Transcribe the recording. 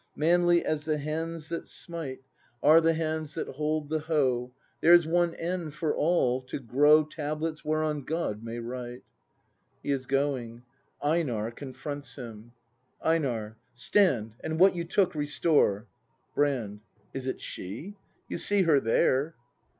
Manly, as the hands that smite, 98 BRAND [act ii Are the hands that hold the hoe; There's one end for all, — to grow Tablets whereon God may write. [He is going. Einar confronts him. EiNAR. Stand, and what you took restore! Brand. Is it she ? You see her there.